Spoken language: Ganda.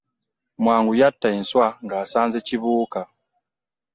Mwangu y'atta enswa nga asanze kibuuka.